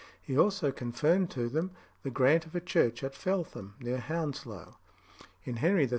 He also confirmed to them the grant of a church at Feltham, near Hounslow. In Henry III.